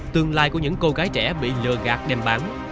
tương lai của những cô gái trẻ bị lừa gạt đem bán